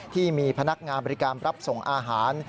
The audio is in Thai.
ที่มีพนักงานบริการรับส่งอาหาร